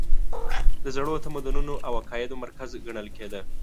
د زړو تمدنونو او عقایدو مرکز ګڼل کېده.